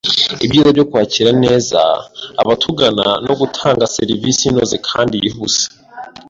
ibyiza byo kwakira neza abatugana no gutanga serivisi inoze kandi yihuse